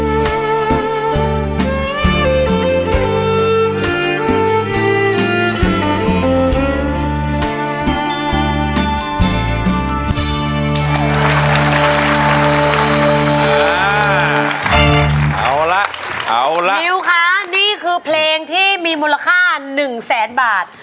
อ่าเอาล่ะเอาล่ะนิ้วค่ะนี่คือเพลงที่มีมูลค่าหนึ่งแสนบาท